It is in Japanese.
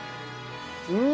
うん！